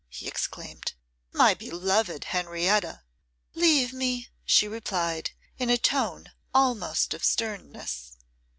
he exclaimed, 'my beloved Henrietta!' 'Leave me,' she replied, in a tone almost of sternness.